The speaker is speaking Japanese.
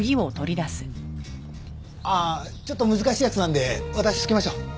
ああちょっと難しいやつなんで私つけましょう。